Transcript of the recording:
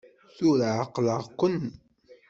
Tura ɛeqleɣ-ken!